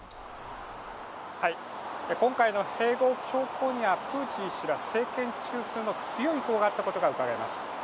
今回の併合強行にはプーチン氏ら政権中枢の強い意向があったことがうかがえます。